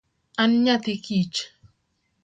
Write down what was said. An nyathi kich.